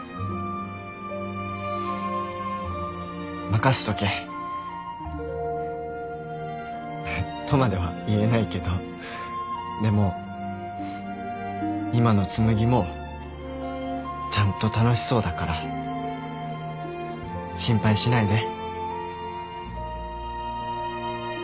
任せとけ。とまでは言えないけどでも今の紬もちゃんと楽しそうだから心配しないで。